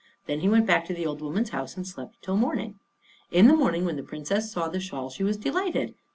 Then he went back to the old woman's house and slept till morning. In the morning, when the Princess saw the shawl she was delighted.